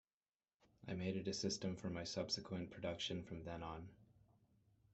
I made it a system for my subsequent production from then on.